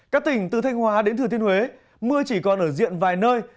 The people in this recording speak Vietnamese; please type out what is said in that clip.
các tỉnh từ thanh hóa đến thừa thiên huế mưa chỉ còn ở diện vài nơi